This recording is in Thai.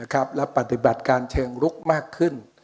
และปฏิบัติการเชิงลุกมากขึ้น